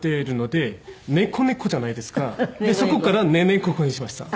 でそこから「ネネ」「ココ」にしました。